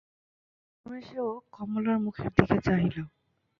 রমেশও কমলার মুখের দিকে চাহিল।